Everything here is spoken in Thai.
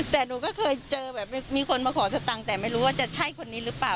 แต่หนูก็เคยเจอแบบมีคนมาขอสตังค์แต่ไม่รู้ว่าจะใช่คนนี้หรือเปล่า